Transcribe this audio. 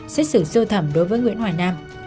xét xử sưu thẩm đối với nguyễn hoài nam